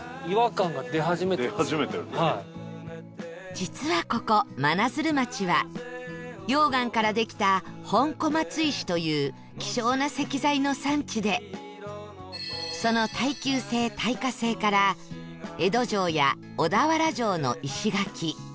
実はここ真鶴町は溶岩からできた本小松石という希少な石材の産地でその耐久性耐火性から江戸城や小田原城の石垣